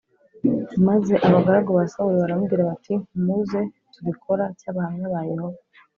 Maze abagaragu ba Sawuli baramubwira bati muze tubikora cy Abahamya ba Yehova